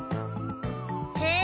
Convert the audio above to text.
へえ！